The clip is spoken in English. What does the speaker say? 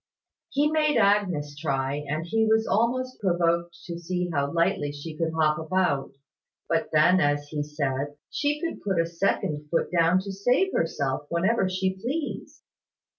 He made Agnes try; and he was almost provoked to see how lightly she could hop about; but then, as he said, she could put a second foot down to save herself, whenever she pleased.